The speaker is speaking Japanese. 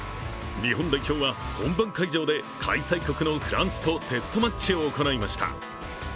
日本代表は本番会場で開催国のフランスとテストマッチを行いました。